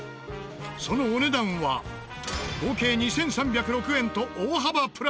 そのお値段は合計２３０６円と大幅プラス！